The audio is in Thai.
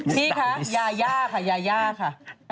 พี่คะยาย่าค่ะยาย่าค่ะ